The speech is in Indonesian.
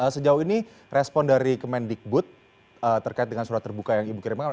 sejauh ini respon dari kemendikbud terkait dengan surat terbuka yang ibu kirimkan